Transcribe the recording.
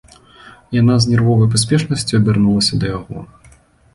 Яна з нервовай паспешнасцю абярнулася да яго.